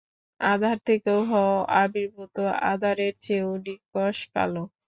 আঁধার থেকে হও আবির্ভূত, আঁধারের চেয়েও নিকষ কালো।